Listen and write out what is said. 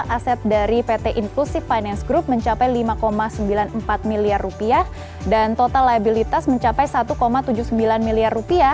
aset dari pt inklusif finance group mencapai rp lima sembilan puluh empat miliar dan total liabilitas mencapai rp satu tujuh puluh sembilan miliar